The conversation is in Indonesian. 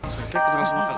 saya terus makan